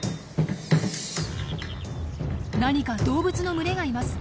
何か動物の群れがいます。